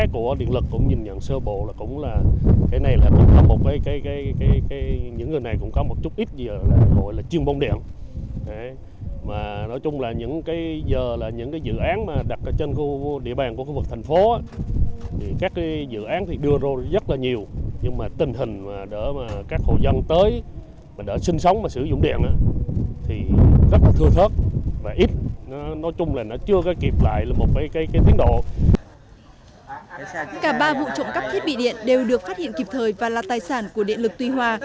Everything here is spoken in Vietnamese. cả ba vụ trộm cắp thiết bị điện đều được phát hiện kịp thời và là tài sản của điện lực tuy hòa